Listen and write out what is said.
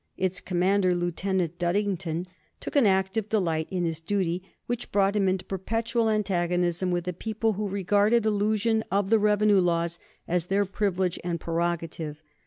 Its commander, Lieutenant Duddington, took an active delight in his duty which brought him into perpetual antagonism with a people who regarded elusion of the revenue laws as their privilege and prerogative.